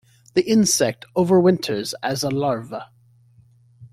The insect overwinters as a larva.